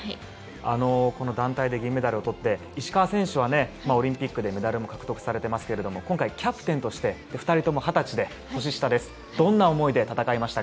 この団体で銀メダルを取って石川選手はオリンピックでメダルも獲得されていますが今回、キャプテンとして２人とも２０歳で年下です。